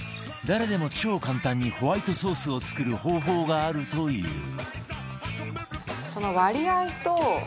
誰でも超簡単にホワイトソースを作る方法があるという